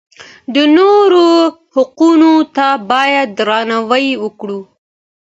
د نورو حقونو ته بايد درناوی وکړو.